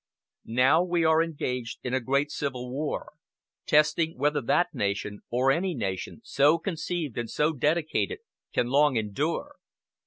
"Now we are engaged in a great civil war, testing whether that nation, or any nation, so conceived and so dedicated, can long endure.